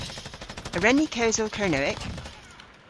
A wren ni kewsel Kernewek?